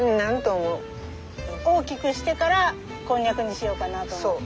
大きくしてからコンニャクにしようかなと思って。